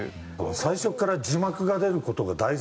最初から字幕が出る事が大前提なの？